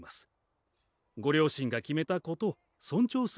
ご両親が決めたことを尊重すべきでしょう。